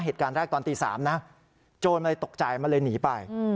เหตุการณ์แรกตอนตี๓นะโจรเลยตกใจมันเลยหนีไป